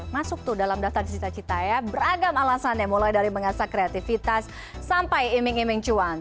masuk tuh dalam daftar cita cita ya beragam alasan ya mulai dari mengasah kreativitas sampai iming iming cuan